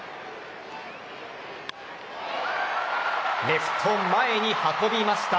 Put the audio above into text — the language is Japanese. レフト前に運びました。